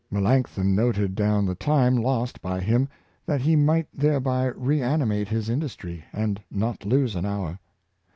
^'" Melanchthon noted down the time lost by him, that he might thereby reanimate his industry, and not lose an hour.